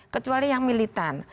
kecuali yang militan